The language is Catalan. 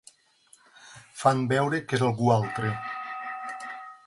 Fan veure que és algú altre.